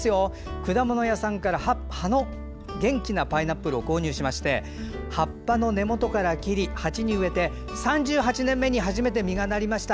果物屋さんから葉の元気なパイナップルを購入しまして葉っぱの根元から切り鉢に植えて３８年目に初めて実がなりました。